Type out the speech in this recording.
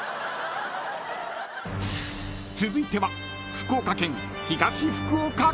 ［続いては］